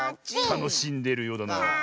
たのしんでいるようだな。